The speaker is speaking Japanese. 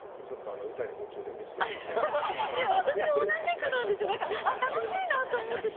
歌に夢中で見つけられませんでした。